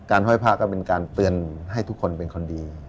ห้อยผ้าก็เป็นการเตือนให้ทุกคนเป็นคนดี